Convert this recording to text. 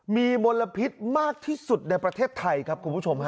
มีมลพิษมากที่สุดในประเทศไทยครับคุณผู้ชมฮะ